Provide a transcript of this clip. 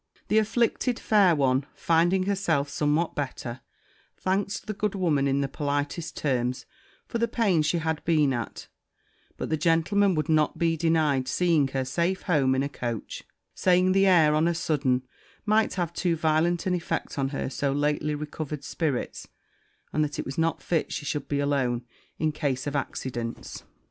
The afflicted fair one, finding herself somewhat better, thanked the good woman, in the politest terms, for the pains she had been at; but the gentleman would not be denied seeing her safe home in a coach; saying, the air, on a sudden, might have too violent an effect on her so lately recovered spirits; and that it was not fit she should be alone, in case of accidents.